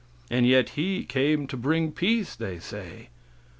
And yet He came to bring peace, they say.